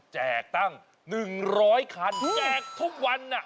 ตั้ง๑๐๐คันแจกทุกวัน